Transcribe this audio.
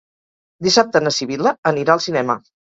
Dissabte na Sibil·la anirà al cinema.